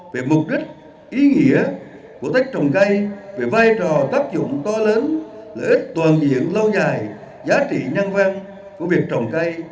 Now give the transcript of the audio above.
về mục đích ý nghĩa của tết trồng cây về vai trò tác dụng to lớn lợi ích toàn diện lâu dài giá trị nhân văn của việc trồng cây